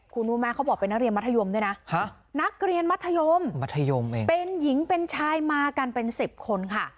คุณรู้ไหมเขาบอกเป็นนักเรียนมัธยมด้วยนะนักเรียนมัธยมมัธยมเองเป็นหญิงเป็นชายมากันเป็นสิบคนค่ะ